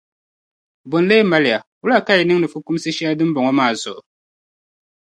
Bo n-leei mali ya, wula ka yi niŋdi fukumsi shɛli dimbɔŋɔ maa zuɣu?